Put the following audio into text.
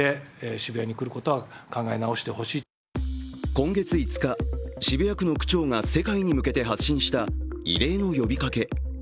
今月５日、渋谷区の区長が世界に向けて発信した異例の呼びかけ。